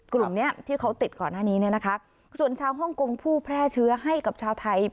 กลุ่มเนี้ยที่เขาติดก่อนหน้านี้เนี่ยนะคะส่วนชาวฮ่องกงผู้แพร่เชื้อให้กับชาวไทย